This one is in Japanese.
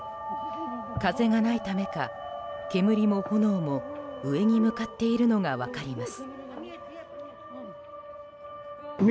風がないためか、煙も炎も上に向かっているのが分かります。